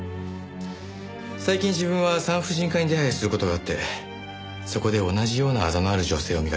最近自分は産婦人科に出入りする事があってそこで同じようなアザのある女性を見かけました。